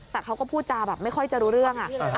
แต่เขาก็พูดจาแบบไม่ค่อยจะรู้เรื่อง